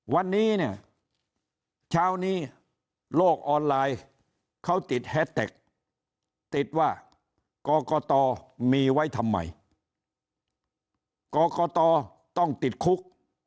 วันนี้เนี่ยเช้านี้โลกออนไลน์เขาติดฮเทคติดว่าก่อก่อต่อมีไว้ทำไมก่อก่อต่อต้องติดคุก